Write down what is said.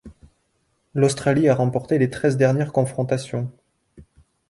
L'Australie a remporté les treize dernières confrontations.